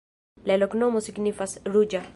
La loknomo signifas: ruĝa.